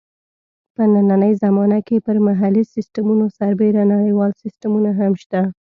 په نننۍ زمانه کې پر محلي سیسټمونو سربېره نړیوال سیسټمونه هم شته.